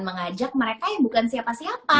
mengajak mereka yang bukan siapa siapa